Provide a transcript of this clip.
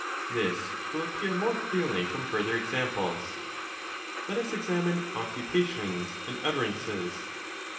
(This will appear more clearly from further examples). Let us examine occupations and utterances.